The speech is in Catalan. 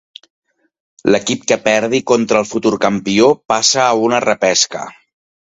L'equip que perdi contra el futur campió passa a una repesca.